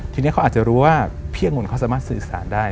ทีนี้เขาอาจจะรู้ว่าพี่องุ่นเขาสามารถสื่อสารได้